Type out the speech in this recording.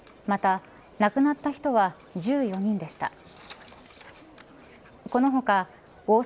また、亡くなった人は１４人でした。